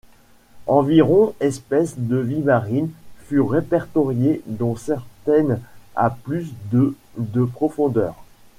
Environ espèces de vie marine furent répertoriées dont certaines à plus de de profondeur.